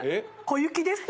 「小雪です」